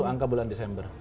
itu angka bulan desember